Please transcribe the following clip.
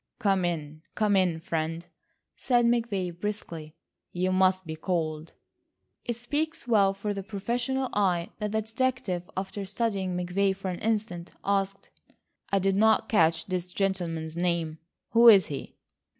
"Come in, come in, friend," said McVay briskly. "You must be cold." It speaks well for the professional eye that the detective, after studying McVay for an instant, asked: "I did not catch this gentleman's name. Who is he?"